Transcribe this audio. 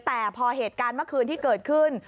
แต่พอเหตุการณ์เมื่อคืนที่เกิดขึ้น